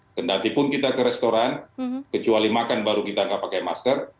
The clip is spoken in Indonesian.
sekendati pun kita ke restoran kecuali makan baru kita enggak pakai masker